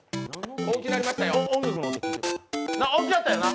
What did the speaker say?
大きなったよな。